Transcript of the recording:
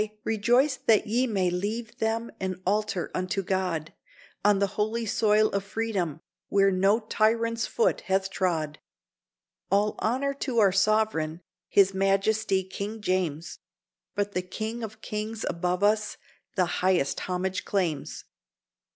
rejoice that ye may leave them an altar unto God, On the holy soil of Freedom, where no tyrant's foot hath trod. All honor to our sovereign, his majesty King James, But the King of kings above us the highest homage claims."